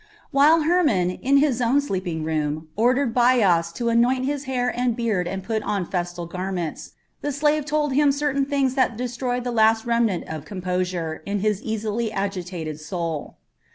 While Hermon, in his own sleeping room, ordered Bias to anoint his hair and beard and put on festal garments, the slave told him certain things that destroyed the last remnant of composure in his easily agitated soul.